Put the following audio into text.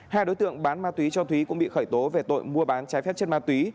hai đối tượng bán ma túy cho thúy cũng bị khởi tố về tội mua bán trái phép chất ma túy